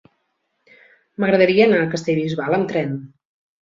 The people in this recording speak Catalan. M'agradaria anar a Castellbisbal amb tren.